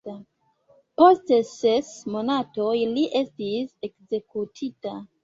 Post ses monatoj li estis ekzekutita.